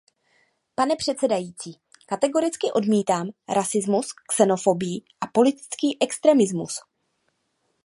Pane předsedající, kategoricky odmítám rasismus, xenofobii a politický extremismus.